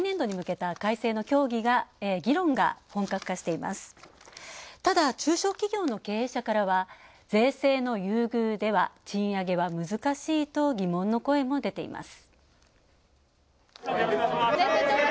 ただ、中小企業の経営者からは税制の優遇では賃上げは難しいと疑問の声も出ています。